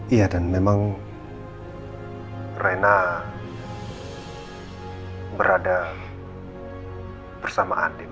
iya dan memang rena berada bersama andin